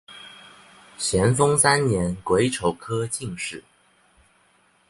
咸丰三年癸丑科进士。